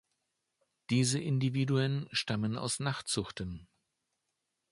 Diese Individuen stammen aus Nachzuchten.